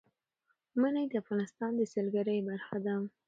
منی د افغانستان د سیلګرۍ برخه ده.